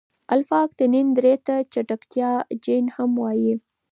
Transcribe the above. الفا اکتینین درې ته د چټکتیا جین هم وايي.